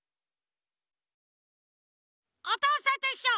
「おとうさんといっしょ」